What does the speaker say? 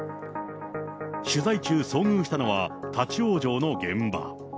取材中、遭遇したのは立往生の現場。